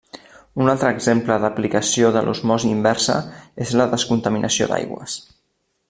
Un altre exemple d'aplicació de l'osmosi inversa és la descontaminació d'aigües.